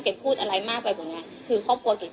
เก๋รู้ว่าสาธารณะแต่คุณก็ควรจะรู้ว่ามารยาทบ้าง